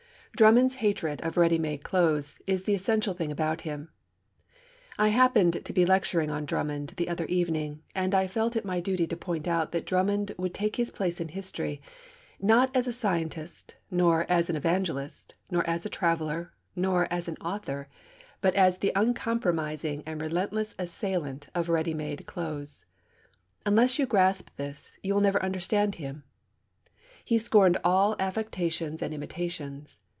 Drummond's hatred of ready made clothes is the essential thing about him. I happened to be lecturing on Drummond the other evening, and I felt it my duty to point out that Drummond would take his place in history, not as a scientist nor as an evangelist, nor as a traveller, nor as an author, but as the uncompromising and relentless assailant of ready made clothes. Unless you grasp this, you will never understand him. He scorned all affectations and imitations.